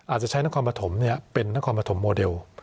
อาจจะใช้นักความประถมเนี่ยเป็นนักความประถมโมเดล